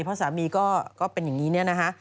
เพราะสามีก็เป็นอย่างนี้นะฮะ